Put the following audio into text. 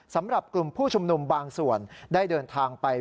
สำหรับกลุ่มผู้ชุมนุมบางส่วนได้เดินทางไป